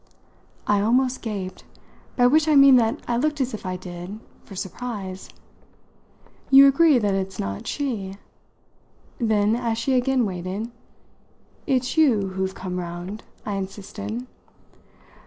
I almost gaped by which I mean that I looked as if I did for surprise. "You agree that it's not she ?" Then, as she again waited, "It's you who've come round?" I insisted.